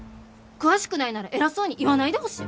詳しくないなら偉そうに言わないでほしい。